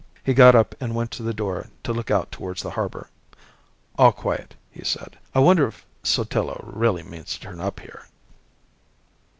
He got up and went to the door to look out towards the harbour. "All quiet," he said; "I wonder if Sotillo really means to turn up here?"